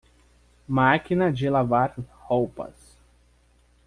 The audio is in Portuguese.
Máquina de lavar roupas.